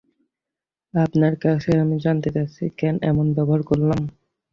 আপনার কাছেই আমি জানতে চাচ্ছি কেন এমন ব্যবহার করলাম।